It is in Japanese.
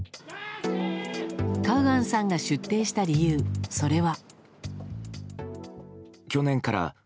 カウアンさんが出廷した理由それは。